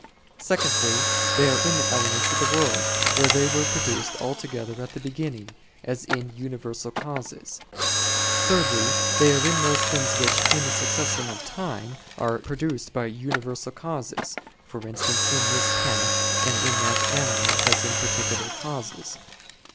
_ Secondly, they are in the elements of the world, where they were produced altogether at the beginning, as in universal causes. Thirdly, they are in those things which, in the succession of time, are produced by universal causes, for instance in this plant, and in that animal, as in _particular causes.